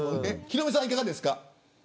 ヒロミさん、いかがですか。